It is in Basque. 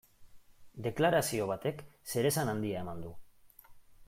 Deklarazio batek zeresan handia eman du.